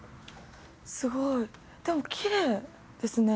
すごいでもきれいですね